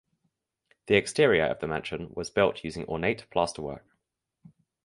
The exterior of the mansion was built using ornate plasterwork.